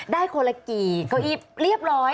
คนละกี่เก้าอี้เรียบร้อย